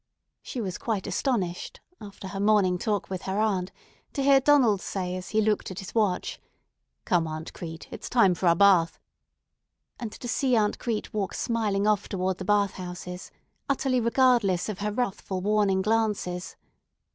She was quite astonished, after her morning talk with her aunt, to hear Donald say as he looked at his watch, "Come, Aunt Crete, it's time for our bath," and to see Aunt Crete walk smiling off toward the bath houses, utterly regardless of her wrathful warning glances.